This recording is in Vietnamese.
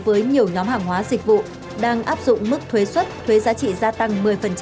với nhiều nhóm hàng hóa dịch vụ đang áp dụng mức thuế xuất thuế giá trị gia tăng một mươi